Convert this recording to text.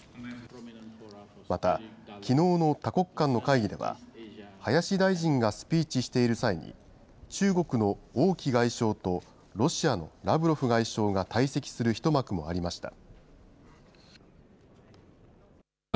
また、きのうの多国間の会議では、林大臣がスピーチしている際に、中国の王毅外相とロシアのラブロフ外相が退席する一幕もありました。